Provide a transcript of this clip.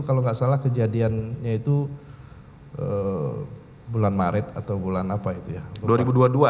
kalau nggak salah kejadiannya itu bulan maret atau bulan apa itu ya